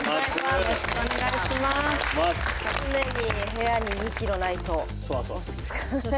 常に部屋に２キロないと落ち着かない。